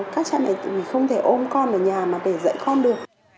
các cha mẹ tự kỳ không thể ôm con ở nhà mà để dạy con được